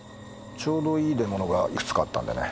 ちょうどいい出物がいくつかあったんでね。